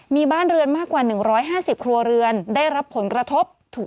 มีบ้านเรือนมากกว่า๑๕๐ครัวเรือนได้รับผลกระทบ